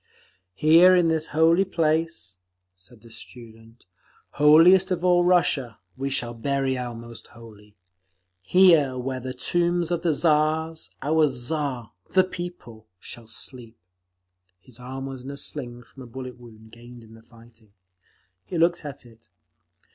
"Here in this holy place," said the student, "holiest of all Russia, we shall bury our most holy. Here where are the tombs of the Tsars, our Tsar—the People—shall sleep…." His arm was in a sling, from a bullet wound gained in the fighting. He looked at it.